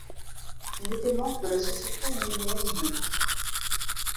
Il était membre de la Société linnéenne de Londres.